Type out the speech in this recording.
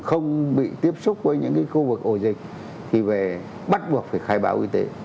không bị tiếp xúc với những khu vực ổ dịch thì về bắt buộc phải khai báo y tế